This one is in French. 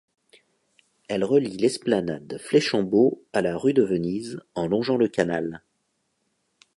Elle relie l'esplanade Fléchambeau à la rue de Venise en longeant le canal.